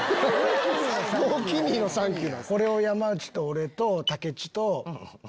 これを山内と俺と。